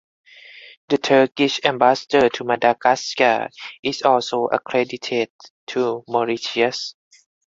The Turkish ambassador to Madagascar is also accredited to Mauritius.